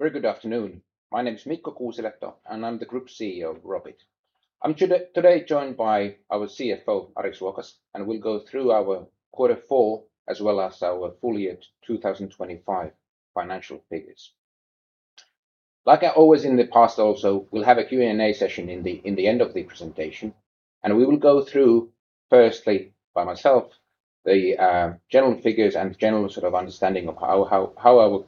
Very good afternoon. My name is Mikko Kuusilehto, and I'm the Group CEO of Robit. I'm today joined by our CFO, Ari Suokas, and we'll go through our quarter four as well as our full year 2025 financial figures. Like I always in the past also, we'll have a Q&A session in the end of the presentation, and we will go through, firstly, by myself, the general figures and general sort of understanding of how our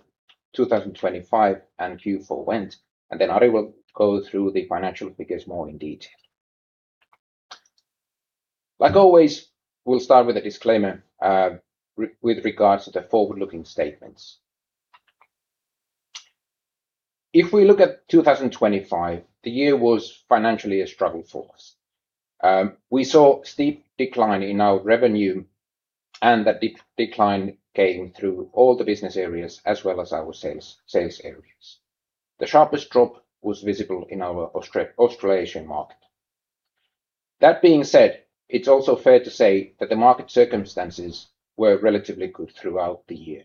2025 and Q4 went, and then Ari will go through the financial figures more in detail. Like always, we'll start with a disclaimer with regards to the forward-looking statements. If we look at 2025, the year was financially a struggle for us. We saw a steep decline in our revenue, and that decline came through all the business areas as well as our sales areas. The sharpest drop was visible in our Australasian market. That being said, it's also fair to say that the market circumstances were relatively good throughout the year.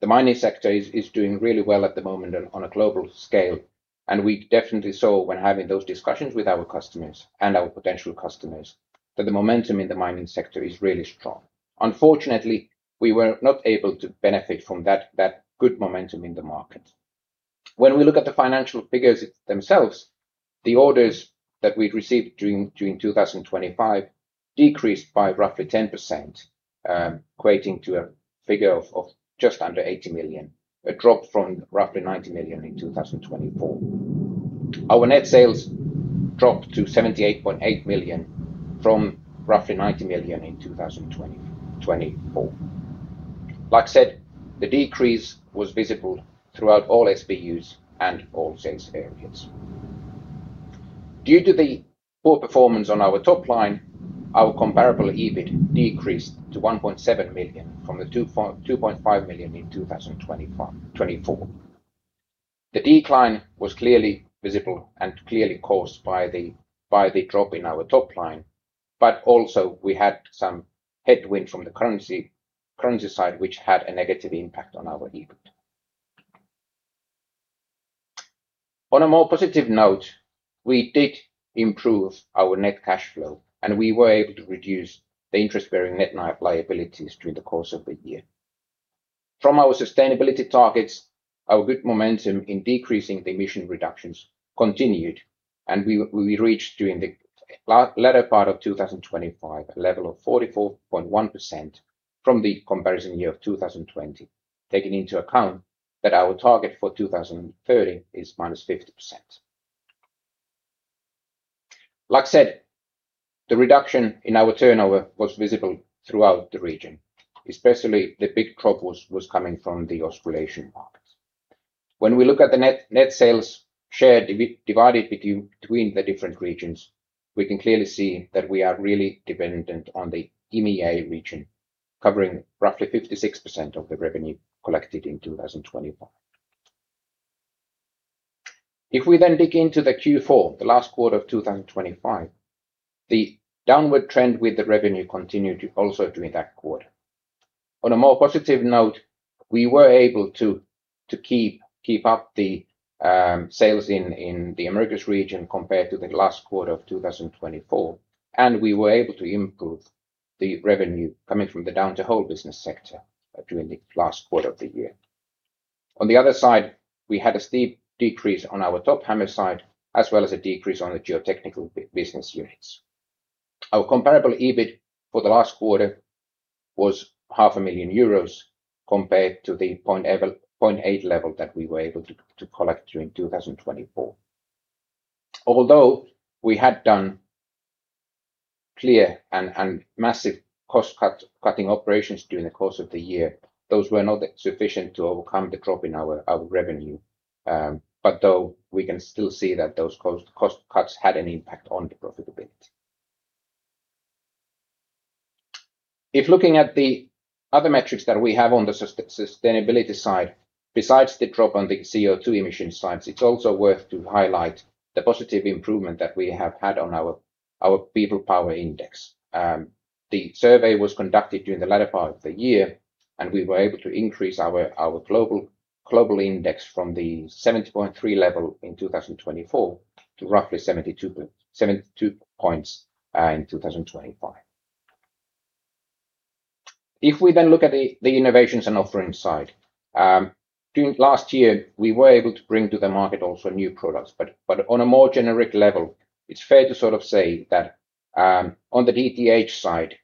The mining sector is doing really well at the moment on a global scale, and we definitely saw when having those discussions with our customers and our potential customers, that the momentum in the mining sector is really strong. Unfortunately, we were not able to benefit from that good momentum in the market. When we look at the financial figures themselves, the orders that we received during 2025 decreased by roughly 10%, equating to a figure of just under 80 million, a drop from roughly 90 million in 2024. Our net sales dropped to 78.8 million from roughly 90 million in 2024. Like I said, the decrease was visible throughout all SBUs and all sales areas. Due to the poor performance on our top line, our Comparable EBIT decreased to 1.7 million from the 2.5 million in 2024. The decline was clearly visible and clearly caused by the drop in our top line, but also we had some headwind from the currency side, which had a negative impact on our EBIT. On a more positive note, we did improve our net cash flow, and we were able to reduce the interest-bearing net liabilities during the course of the year. From our sustainability targets, our good momentum in decreasing the emission reductions continued, and we reached, during the latter part of 2025, a level of 44.1% from the comparison year of 2020, taking into account that our target for 2030 is -50%. Like I said, the reduction in our turnover was visible throughout the region. Especially, the big drop was coming from the Australasian markets. When we look at the net sales share divided between the different regions, we can clearly see that we are really dependent on the EMEA region, covering roughly 56% of the revenue collected in 2025. If we then dig into the Q4, the last quarter of 2025, the downward trend with the revenue continued to also during that quarter. On a more positive note, we were able to keep up the sales in the Americas region compared to the last quarter of 2024, and we were able to improve the revenue coming from the Down-the-Hole business sector during the last quarter of the year. On the other side, we had a steep decrease on our Top Hammer side, as well as a decrease on the Geotechnical business units. Our Comparable EBIT for the last quarter was 500,000 euros, compared to the 0.8, 0.8 level that we were able to collect during 2024. Although we had done clear and massive cost-cutting operations during the course of the year, those were not sufficient to overcome the drop in our revenue. But though we can still see that those cost cuts had an impact on the profitability. If looking at the other metrics that we have on the sustainability side, besides the drop on the CO2 emission side, it's also worth to highlight the positive improvement that we have had on our PeoplePower Index. The survey was conducted during the latter part of the year, and we were able to increase our global index from the 70.3 level in 2024 to roughly 72 points in 2025. If we then look at the innovations and offerings side, during last year, we were able to bring to the market also new products, but on a more generic level, it's fair to sort of say that on the DTH side,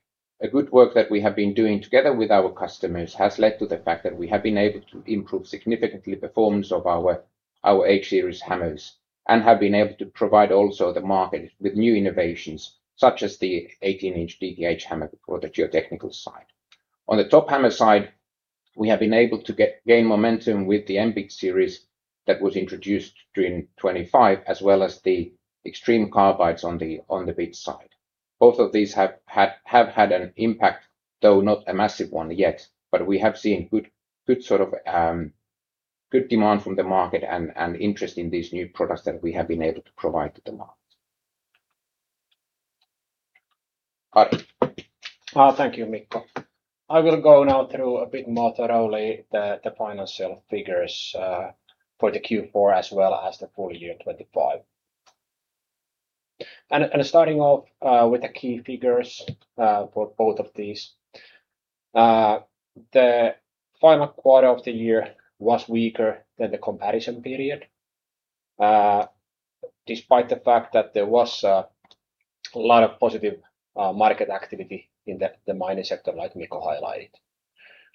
a good work that we have been doing together with our customers has led to the fact that we have been able to improve significantly performance of our H-Series hammers, and have been able to provide also the market with new innovations, such as the 18-inch DTH hammer for the Geotechnical side. On the Top Hammer side, we have been able to gain momentum with the M-bit series that was introduced during 2025, as well as the Extreme carbides on the bit side. Both of these have had an impact, though not a massive one yet, but we have seen good sort of good demand from the market and interest in these new products that we have been able to provide to the market.... Hi. Thank you, Mikko. I will go now through a bit more thoroughly the financial figures for the Q4 as well as the full year 2025. Starting off with the key figures for both of these. The final quarter of the year was weaker than the comparison period, despite the fact that there was a lot of positive market activity in the mining sector, like Mikko highlighted.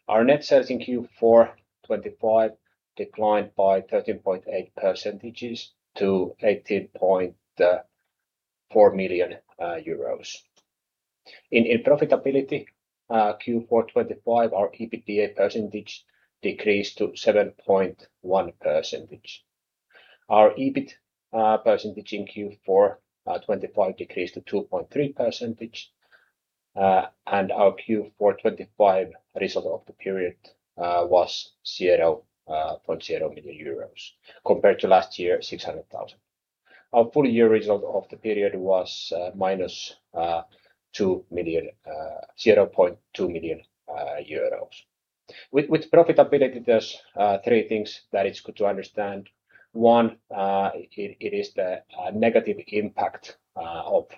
Our net sales in Q4 2025 declined by 13.8% to EUR 18.4 million. In profitability, Q4 2025, our EBITDA percentage decreased to 7.1%. Our EBIT percentage in Q4 2025 decreased to 2.3%. And our Q4 2025 result of the period was 0.0 million euros, compared to last year, 600,000. Our full year result of the period was minus zero point two million euros. With profitability, there are three things that is good to understand. One, it is the negative impact of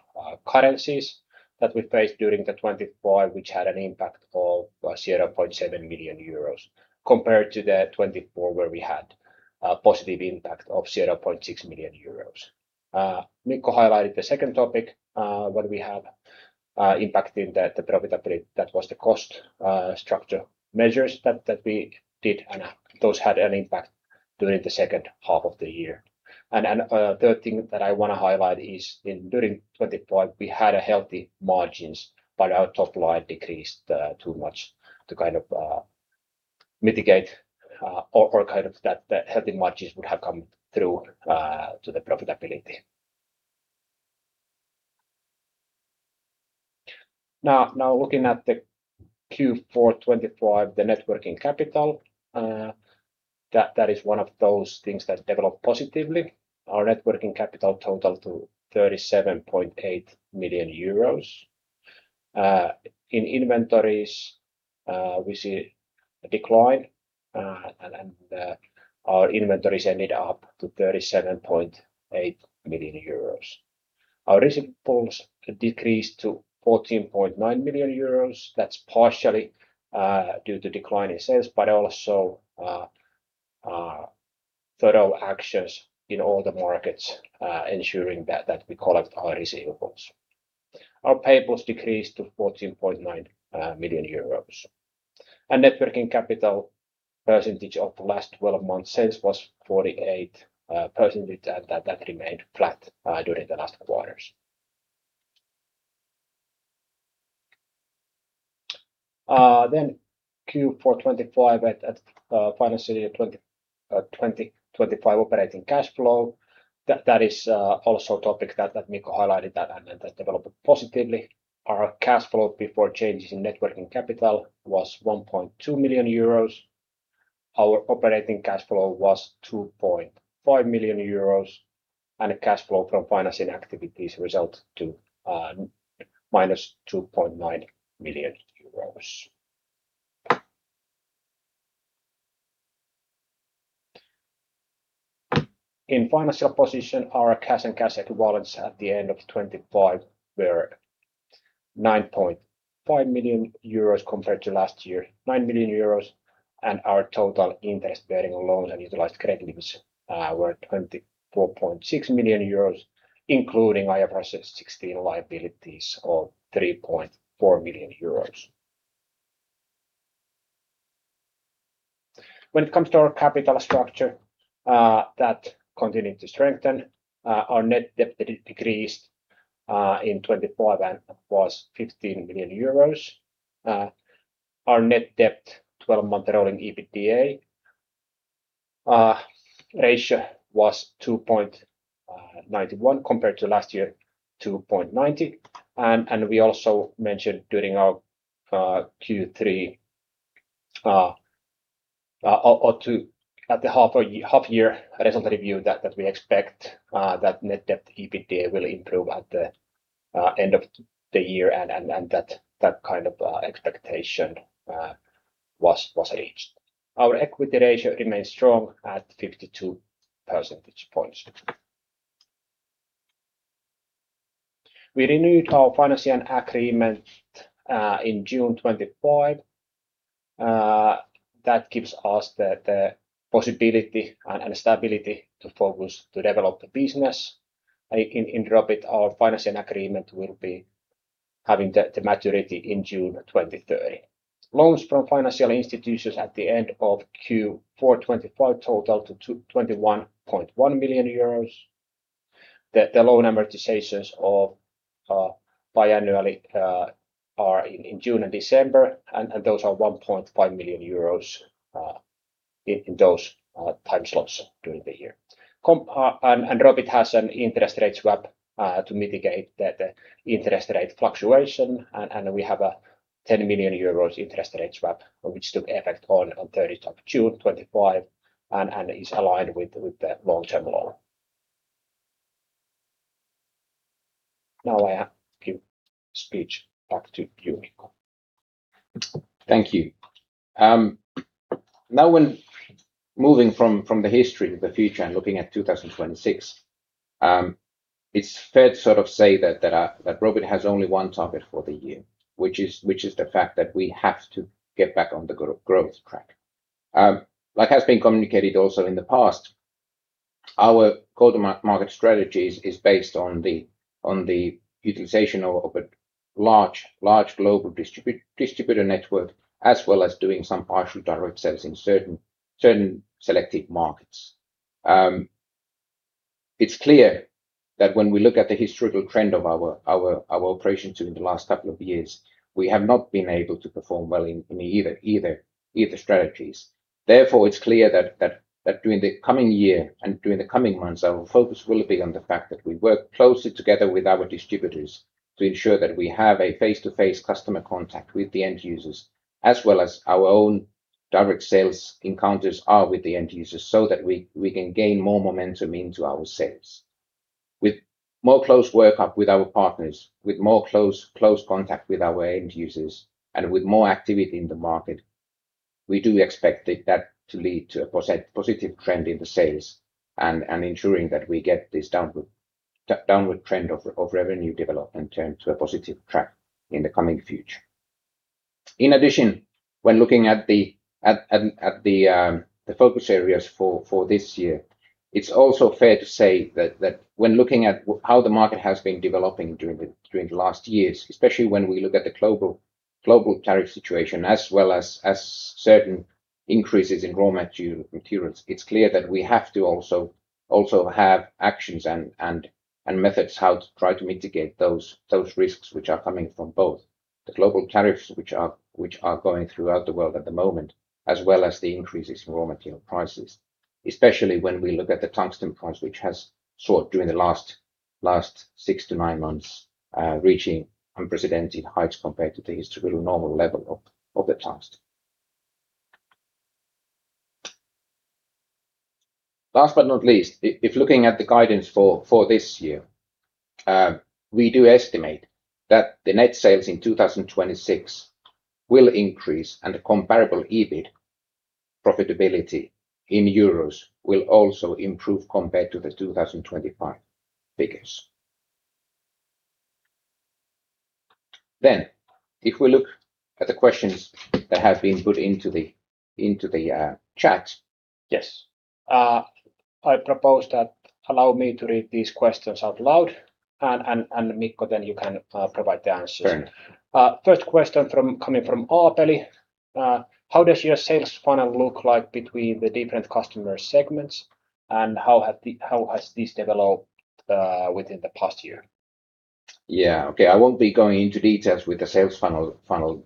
currencies that we faced during 2025, which had an impact of 0.7 million euros, compared to 2024, where we had a positive impact of 0.6 million euros. Mikko highlighted the second topic, what we have impacting the profitability. That was the cost structure measures that we did, and those had an impact during the second half of the year. Third thing that I want to highlight is during 2025, we had a healthy margins, but our top line decreased too much to kind of mitigate or kind of that healthy margins would have come through to the profitability. Now, looking at the Q4 2025, the net working capital, that is one of those things that developed positively. Our net working capital total to 37.8 million euros. In inventories, we see a decline, and our inventories ended up to 37.8 million euros. Our receivables decreased to 14.9 million euros. That's partially due to decline in sales, but also thorough actions in all the markets ensuring that we collect our receivables. Our payables decreased to 14.9 million euros. Net working capital percentage of the last twelve months sales was 48%, and that remained flat during the last quarters. Then Q4 2025 at financial year 2025 operating cash flow, that is also a topic that Mikko highlighted that and that developed positively. Our cash flow before changes in net working capital was 1.2 million euros. Our operating cash flow was 2.5 million euros, and a cash flow from financing activities result to minus EUR 2.9 million. In financial position, our cash and cash equivalents at the end of 2025 were 9.5 million euros, compared to last year, 9 million euros, and our total interest-bearing loans and utilized credits were 24.6 million euros, including IFRS 16 liabilities of 3.4 million euros. When it comes to our capital structure, that continued to strengthen. Our net debt decreased in 2025 and was 15 million euros. Our net debt twelve-month rolling EBITDA ratio was 2.91 compared to last year 2.90. And we also mentioned during our Q3 or half year result review, that we expect that net debt EBITDA will improve at the end of the year, and that kind of expectation was reached. Our equity ratio remains strong at 52 percentage points. We renewed our financing agreement in June 2025. That gives us the possibility and stability to focus to develop the business. In short, our financing agreement will be having the maturity in June 2030. Loans from financial institutions at the end of Q4 2025 total to 21.1 million euros. The loan amortizations biannually are in June and December, and those are 1.5 million euros in those time slots during the year. And Robit has an interest rate swap to mitigate the interest rate fluctuation, and we have a 10 million euros interest rate swap, which took effect on thirtieth of June 2025, and is aligned with the long-term loan.... Now I give speech back to you, Mikko. Thank you. Now when moving from the history to the future and looking at 2026, it's fair to sort of say that that Robit has only one target for the year, which is which is the fact that we have to get back on the growth track. Like has been communicated also in the past, our go-to-market strategies is based on the utilization of a large global distributor network, as well as doing some partial direct sales in certain selected markets. It's clear that when we look at the historical trend of our operations during the last couple of years, we have not been able to perform well in either strategies. Therefore, it's clear that during the coming year and during the coming months, our focus will be on the fact that we work closely together with our distributors to ensure that we have a face-to-face customer contact with the end users, as well as our own direct sales encounters are with the end users, so that we can gain more momentum into our sales. With more close workup with our partners, with more close contact with our end users, and with more activity in the market, we do expect that to lead to a positive trend in the sales and ensuring that we get this downward trend of revenue development turned to a positive track in the coming future. In addition, when looking at the... At the focus areas for this year, it's also fair to say that when looking at how the market has been developing during the last years, especially when we look at the global tariff situation, as well as certain increases in raw materials, it's clear that we have to also have actions and methods how to try to mitigate those risks which are coming from both the global tariffs, which are going throughout the world at the moment, as well as the increases in raw material prices. Especially when we look at the tungsten price, which has soared during the last six to nine months, reaching unprecedented heights compared to the historical normal level of the tungsten. Last but not least, if looking at the guidance for this year, we do estimate that the net sales in 2026 will increase, and the Comparable EBIT profitability in euros will also improve compared to the 2025 figures. Then, if we look at the questions that have been put into the chat. Yes. I propose that allow me to read these questions out loud, and Mikko, then you can provide the answers. Sure. First question from... coming from Aapeli. How does your sales funnel look like between the different customer segments, and how has this developed within the past year? Yeah. Okay, I won't be going into details with the sales funnel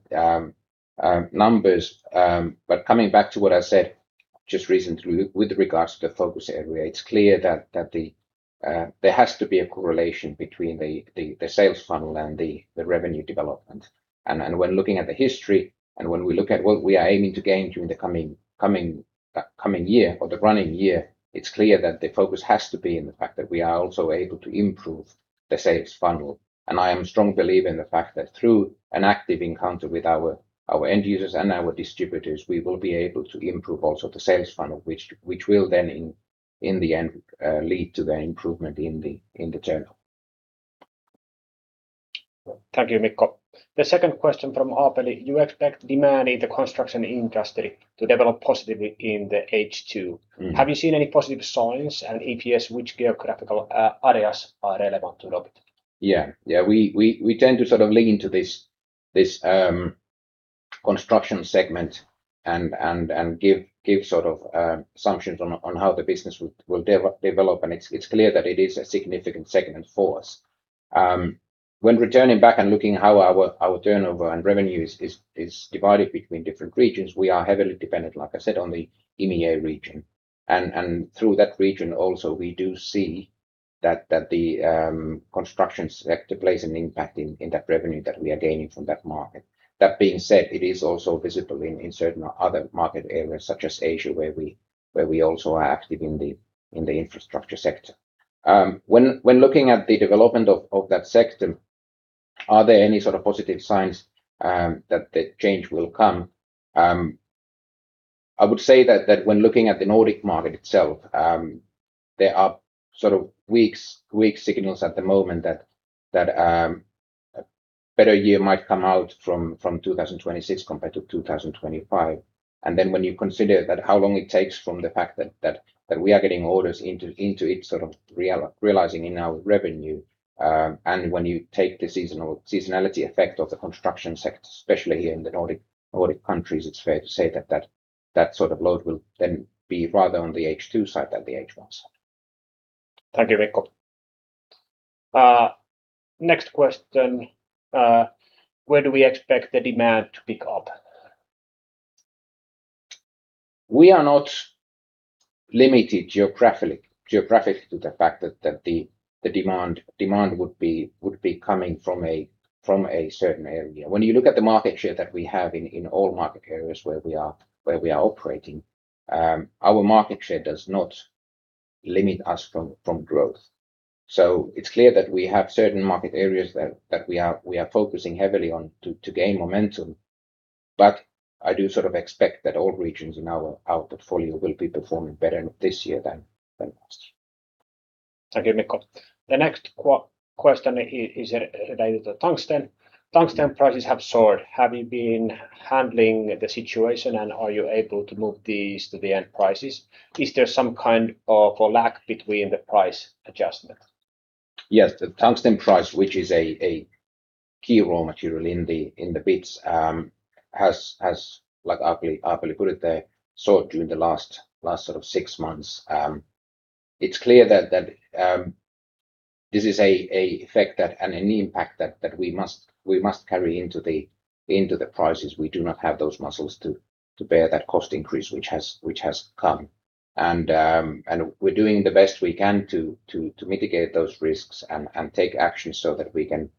numbers, but coming back to what I said just recently with regards to the focus area, it's clear that there has to be a correlation between the sales funnel and the revenue development. And when looking at the history and when we look at what we are aiming to gain during the coming year or the running year, it's clear that the focus has to be in the fact that we are also able to improve the sales funnel. I am a strong believer in the fact that through an active encounter with our end users and our distributors, we will be able to improve also the sales funnel, which will then in the end lead to the improvement in the turnover. Thank you, Mikko. The second question from Aapeli: You expect demand in the construction industry to develop positively in the H2? Have you seen any positive signs, and if yes, which geographical areas are relevant to Robit? Yeah. Yeah, we tend to sort of lean into this construction segment and give sort of assumptions on how the business will develop. And it's clear that it is a significant segment for us. When returning back and looking how our turnover and revenues is divided between different regions, we are heavily dependent, like I said, on the EMEA region. And through that region also, we do see that the construction sector plays an impact in that revenue that we are gaining from that market. That being said, it is also visible in certain other market areas, such as Asia, where we also are active in the infrastructure sector. When looking at the development of that sector, are there any sort of positive signs that the change will come? I would say that when looking at the Nordic market itself, there are sort of weak signals at the moment that a better year might come out from 2026 compared to 2025. And then when you consider that how long it takes from the fact that we are getting orders into it, sort of realizing in our revenue, and when you take the seasonality effect of the construction sector, especially here in the Nordic countries, it's fair to say that sort of load will then be rather on the H2 side than the H1 side. Thank you, Mikko. Next question: Where do we expect the demand to pick up? We are not limited geographically to the fact that the demand would be coming from a certain area. When you look at the market share that we have in all market areas where we are operating, our market share does not limit us from growth. So it's clear that we have certain market areas that we are focusing heavily on to gain momentum. But I do sort of expect that all regions in our portfolio will be performing better this year than last. Thank you, Mikko. The next question is related to tungsten. Tungsten prices have soared. How have you been handling the situation, and are you able to move these to the end prices? Is there some kind of a lag between the price adjustment? Yes, the tungsten price, which is a key raw material in the bits, has, like, Aapeli put it there, soared during the last sort of six months. It's clear that this is a effect that and an impact that we must carry into the prices. We do not have those muscles to bear that cost increase, which has come. And we're doing the best we can to mitigate those risks and take action so that we can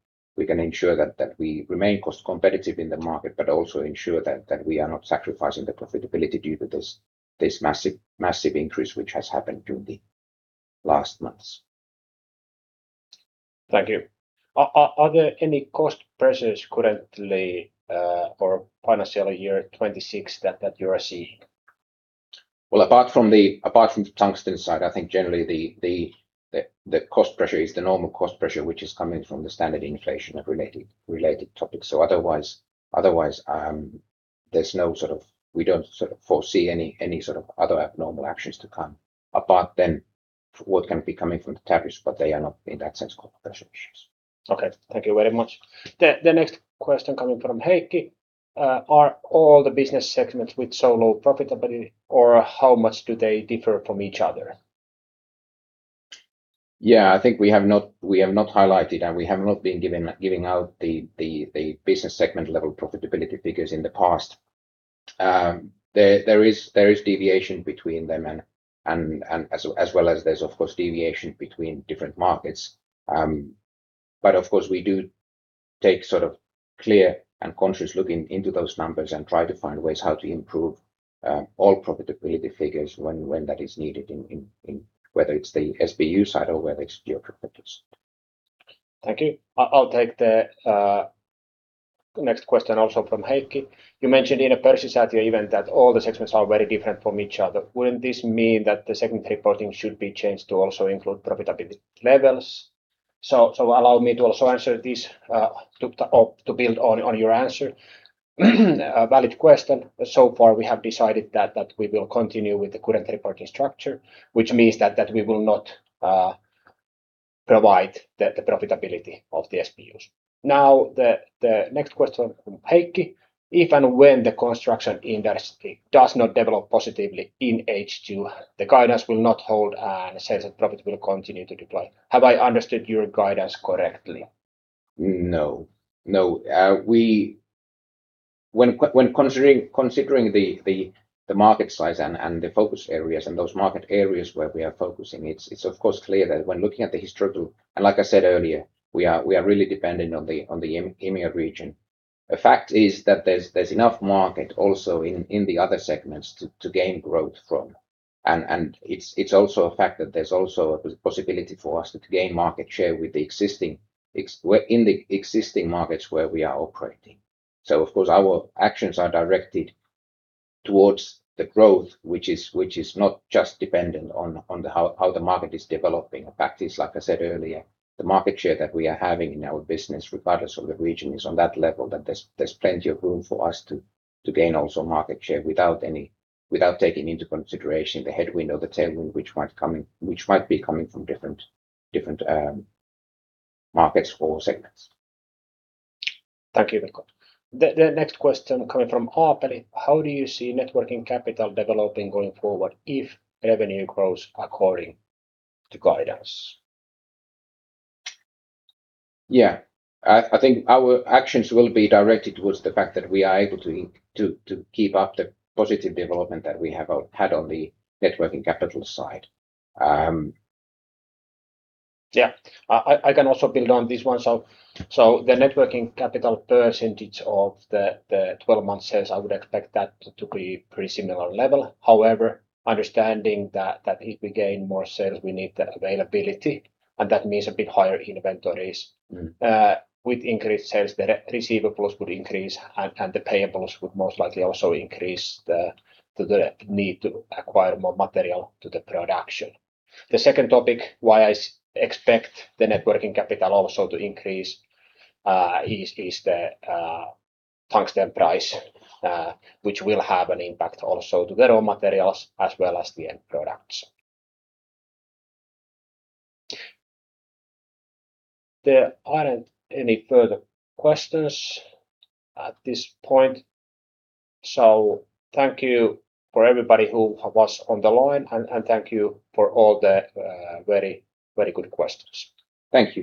ensure that we remain cost competitive in the market, but also ensure that we are not sacrificing the profitability due to this massive increase, which has happened during the last months. Thank you. Are there any cost pressures currently for financial year 2026 that you are seeing? Well, apart from the tungsten side, I think generally the cost pressure is the normal cost pressure, which is coming from the standard inflation and related topics. So otherwise, there's no sort of... We don't sort of foresee any sort of other abnormal actions to come, apart than what can be coming from the tariffs, but they are not in that sense cost pressure issues. Okay. Thank you very much. The next question coming from Heikki: "Are all the business segments with so low profitability, or how much do they differ from each other? Yeah, I think we have not highlighted, and we have not been giving out the business segment-level profitability figures in the past. There is deviation between them and as well as there's of course deviation between different markets. But of course, we do take sort of clear and conscious looking into those numbers and try to find ways how to improve all profitability figures when that is needed in whether it's the SBU side or whether it's geographies. Thank you. I'll, I'll take the next question also from Heikki: "You mentioned in a Pörssisäätiö event that all the segments are very different from each other. Wouldn't this mean that the segment reporting should be changed to also include profitability levels?" So, so allow me to also answer this, to, or to build on, on your answer. A valid question. So far, we have decided that, that we will continue with the current reporting structure, which means that, that we will not, provide the, the profitability of the SBUs. Now, the next question from Heikki: "If and when the construction industry does not develop positively in H2, the guidance will not hold and sales and profit will continue to decline. Have I understood your guidance correctly? No. No, we... When considering the market size and the focus areas and those market areas where we are focusing, it's of course clear that when looking at the historical... And like I said earlier, we are really dependent on the EMEA region. The fact is that there's enough market also in the other segments to gain growth from. And it's also a fact that there's also a possibility for us to gain market share in the existing markets where we are operating. So of course, our actions are directed towards the growth, which is not just dependent on how the market is developing. The fact is, like I said earlier, the market share that we are having in our business, regardless of the region, is on that level, that there's plenty of room for us to gain also market share without any... without taking into consideration the headwind or the tailwind which might be coming from different markets or segments. Thank you, Mikko. The next question coming from Aapeli: "How do you see net working capital developing going forward if revenue grows according to guidance? Yeah. I think our actions will be directed towards the fact that we are able to keep up the positive development that we have had on the net working capital side. Yeah, I can also build on this one. So, the net working capital percentage of the twelve-month sales, I would expect that to be pretty similar level. However, understanding that if we gain more sales, we need the availability, and that means a bit higher inventories. With increased sales, the receivables would increase, and the payables would most likely also increase the need to acquire more material to the production. The second topic why I expect the net working capital also to increase is the tungsten price, which will have an impact also to the raw materials as well as the end products. There aren't any further questions at this point, so thank you for everybody who was on the line, and thank you for all the very, very good questions. Thank you.